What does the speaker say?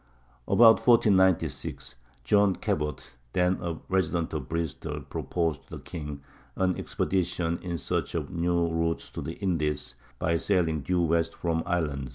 About 1496 John Cabot, then a resident of Bristol, proposed to the king an expedition in search of a new route to the Indies by sailing due west from Ireland.